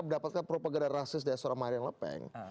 mendapatkan propaganda rasis dari seorang mariam lepeng